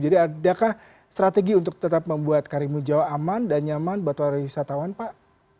jadi adakah strategi untuk tetap membuat kalimantan jawa aman dan nyaman buat para wisatawan pak